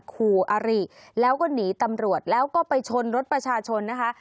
คู่อาริแล้วก็หนีตำรวจแล้วก็ไปชนรถประชาชนนะคะ